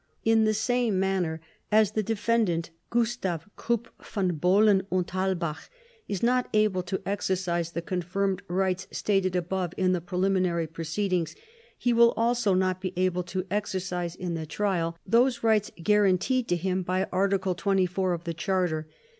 In the same manner as the Defendant Gustav Krupp von Bohlen und Halbach is not able to exercise the confirmed rights stated above in the preliminary proceedings he will also not be able to exercise in the Trial those rights guaranteed to him by Article 24 of the Charter.